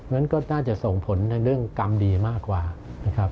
นั้นก็น่าจะส่งผลในเรื่องกรรมดีมากกว่านะครับ